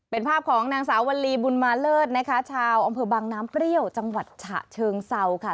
เป็นภาพของนางสาววลีบุญมาเลิศนะคะชาวอำเภอบังน้ำเปรี้ยวจังหวัดฉะเชิงเซาค่ะ